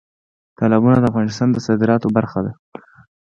تالابونه د افغانستان د صادراتو برخه ده.